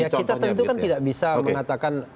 ya kita tentu kan tidak bisa mengatakan